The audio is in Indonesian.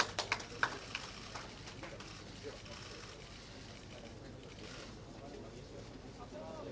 terima kasih pak